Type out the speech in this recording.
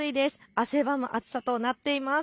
汗ばむ暑さとなっています。